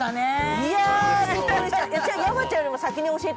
◆いや、びっくりした。